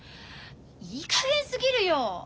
いいかげんすぎるよ！